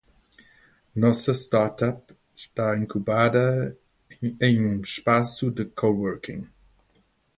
Nossa startup está incubada em um espaço de coworking.